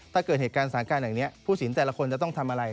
ถ้าเกิดเหตุการณ์สถานการณ์อย่างนี้ผู้สินแต่ละคนจะต้องทำอะไร